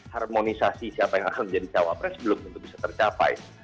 harmonisasi siapa yang akan menjadi cawapres belum tentu bisa tercapai